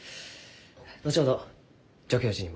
後ほど助教授にも。